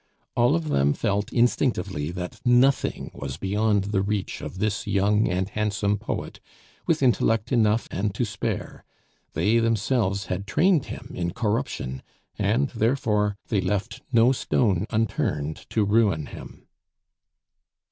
All of them felt instinctively that nothing was beyond the reach of this young and handsome poet, with intellect enough and to spare; they themselves had trained him in corruption; and, therefore, they left no stone unturned to ruin him.